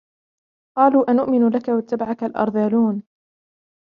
قَالُوا أَنُؤْمِنُ لَكَ وَاتَّبَعَكَ الْأَرْذَلُونَ